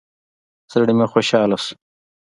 زړه مې خوشاله سو.